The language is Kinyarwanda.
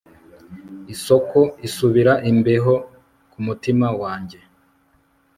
Isoko isubira imbeho kumutima wanjye